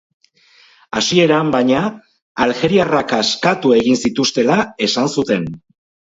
Hasieran, baina, aljeriarrak askatu egin zituztela esan zuten.